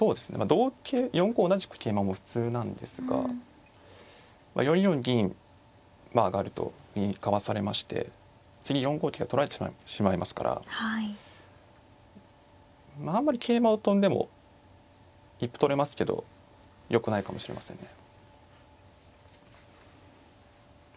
同桂４五同じく桂馬も普通なんですが４四銀上がると銀かわされまして次４五桂取られてしまいますからあんまり桂馬を跳んでも一歩取れますけどよくないかもしれませんね。